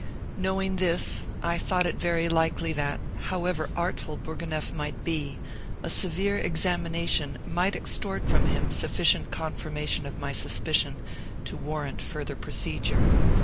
Knowing this, I thought it very likely that, however artful Bourgonef might be, a severe examination might extort from him sufficient confirmation of my suspicion to warrant further procedure.